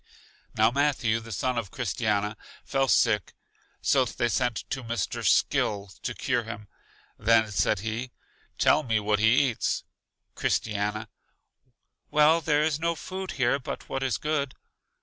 Now Matthew, the son of Christiana, fell sick, so they sent to Mr. Skill to cure him. Then said he: Tell me what he eats. Christiana: Well, there is no food here but what is good.